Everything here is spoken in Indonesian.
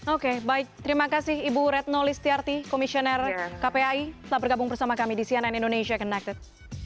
oke baik terima kasih ibu retno listiarti komisioner kpai telah bergabung bersama kami di cnn indonesia connected